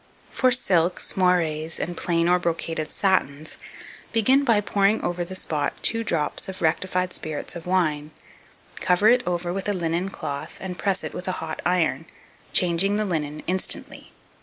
2269. For Silks, Moires, and plain or brocaded Satins, begin by pouring over the spot two drops of rectified spirits of wine; cover it over with a linen cloth, and press it with a hot iron, changing the linen instantly.